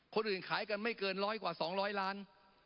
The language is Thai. คนอื่นขายกันไม่เกินร้อยกว่าสองร้อยล้าน